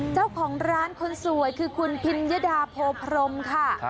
เจ้าของร้านคนสวยคือคุณพิญยดาโพพรมค่ะ